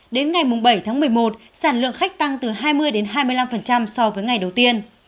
đến ngày bảy tháng một mươi một sản lượng khách tăng từ hai mươi hai mươi năm so với ngày đầu tiên